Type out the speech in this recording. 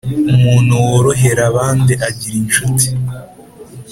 Umuntu worohera abandi agira inshuti